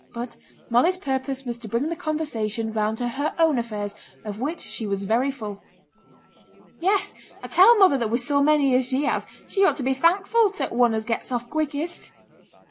But Molly's purpose was to bring the conversation round to her own affairs, of which she was very full. 'Yes! I tell mother that wi' so many as she has, she ought to be thankful to t' one as gets off quickest.'